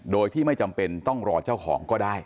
โดยที่ไม่จำเป็นต้องรอเจ้าของก็ได้